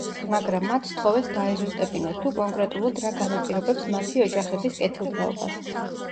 მაგრამ, მათ სთხოვეს დაეზუსტებინათ, თუ კონკრეტულად რა განაპირობებს მათი ოჯახების კეთილდღეობას.